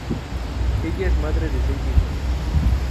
Ella es madre de seis hijos.